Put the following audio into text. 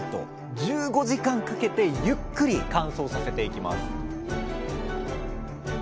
１５時間かけてゆっくり乾燥させていきます